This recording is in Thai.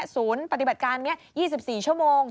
ศูนย์ปฏิบัติการนี้๒๔ชั่วโมง